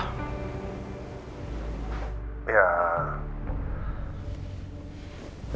aku juga khawatir soal andin pak